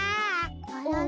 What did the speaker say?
あらら？